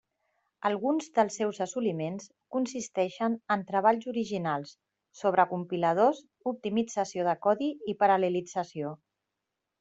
Alguns dels seus assoliments consisteixen en treballs originals sobre compiladors, optimització de codi i paral·lelització.